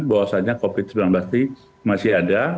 bahwasannya covid sembilan belas ini masih ada